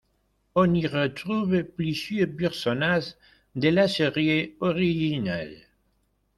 On y retrouve plusieurs personnages de la série originale.